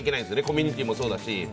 コミュニティーもそうだし。